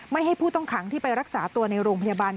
ให้ผู้ต้องขังที่ไปรักษาตัวในโรงพยาบาล